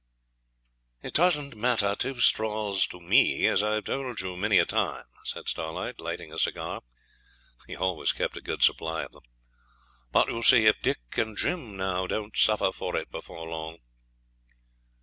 'It doesn't matter two straws to me, as I've told you many a time,' said Starlight, lighting a cigar (he always kept a good supply of them). 'But you see if Dick and Jim, now, don't suffer for it before long.'